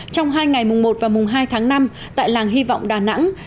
trong hai ngày mùng một và mùng hai tháng năm tại làng hy vọng đà nẵng